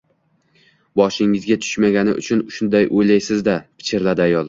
-Boshingizga tushmagani uchun shunday o’ylaysiz-da, — pichirladi ayol.